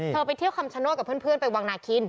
ไปเที่ยวคำชโนธกับเพื่อนไปวังนาคิน